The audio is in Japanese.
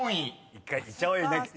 １回いっちゃおうよ犬飼君。